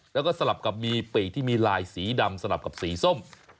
แล้วก็สลับกับมีปีกที่มีลายสีดำสลับกับสีส้ม